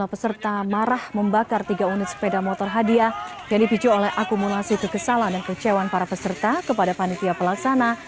lima peserta marah membakar tiga unit sepeda motor hadiah yang dipicu oleh akumulasi kekesalan dan kecewaan para peserta kepada panitia pelaksana